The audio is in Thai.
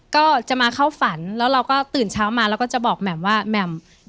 ก็จะมาเข้าฝันแล้วเราก็ตื่นเช้ามาเราก็จะบอกแหม่มว่าแหม่ม